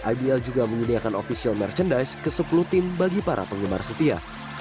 ibl juga menyediakan official merchandise ke sepuluh tim bagi para penggemar setia